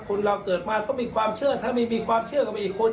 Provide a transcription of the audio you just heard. คนเราเกิดมาก็มีความเชื่อทำไมมีความเชื่อกับคน